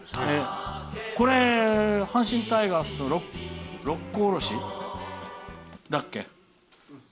これ、阪神タイガースの「六甲おろし」だっけ。